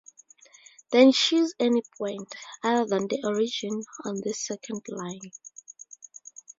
Then choose any point, other than the origin, on this second line.